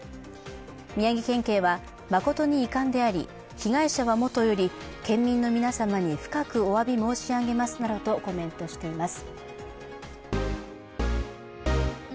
宮城県警は、誠に遺憾であり、被害者はもとより県民の皆様に深くおわび申し上げますなどとコメントしています。